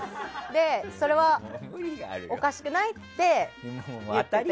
それはおかしくない？って言ってて。